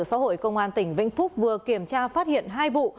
xã hội công an tỉnh vĩnh phúc vừa kiểm tra phát hiện hai vụ